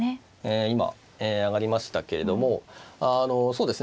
今上がりましたけれどもあのそうですね